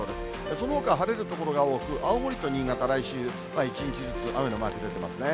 そのほか晴れる所が多く、青森と新潟、来週１日ずつ、雨のマーク出てますね。